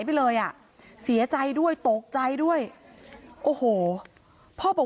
พระเจ้าที่อยู่ในเมืองของพระเจ้า